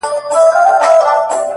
خدایه چي د مرگ فتواوي ودروي نور؛